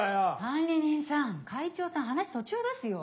管理人さん会長さん話途中ですよ。